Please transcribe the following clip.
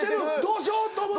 どうしようと思って。